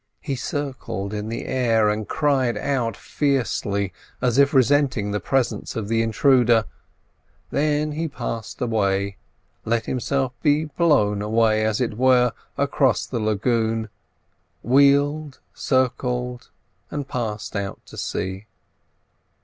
He circled in the air, and cried out fiercely, as if resenting the presence of the intruder, then he passed away, let himself be blown away, as it were, across the lagoon, wheeled, circled, and passed out to sea.